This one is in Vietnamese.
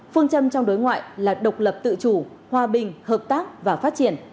phương châm trong đối ngoại là độc lập tự chủ hòa bình hợp tác và phát triển